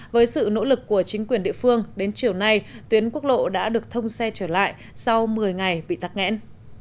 với sự nỗ lực của chính quyền địa phương đến chiều nay tuyến quốc lộ đã được thông xe trở lại sau một mươi ngày bị tắc nghẽn